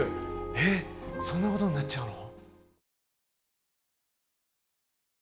えっそんなことになっちゃうの？